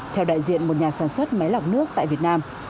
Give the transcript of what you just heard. theo đại diện một nhà sản xuất máy lọc nước tại việt nam